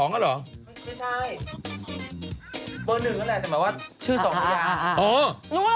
ไม่ใช่เบอร์๑นั่นแหละแต่หมายว่าชื่อ๒พระยาง